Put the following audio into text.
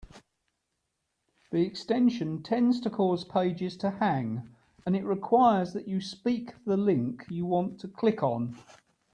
The extension tends to cause pages to hang, and it requires that you speak the link you want to click on.